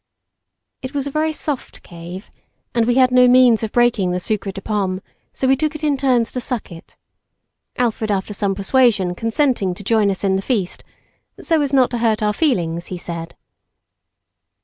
It was a very soft cave, and we had no means of breaking the sucre de pomme, so we took it in turns to suck it; Alfred after some persuasion, consenting to join us in the feast, so as not to hurt our feelings, he said.